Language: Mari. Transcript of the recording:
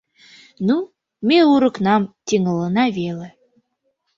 — Ну, ме урокнам тӱҥалына веле...